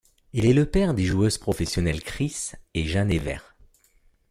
Il est le père des joueuses professionnelles Chris et Jeanne Evert.